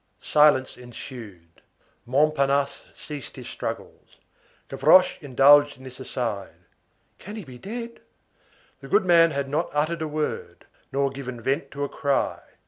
Silence ensued. Montparnasse ceased his struggles. Gavroche indulged in this aside: "Can he be dead!" The goodman had not uttered a word, nor given vent to a cry.